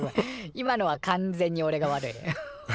今のは完全におれが悪い。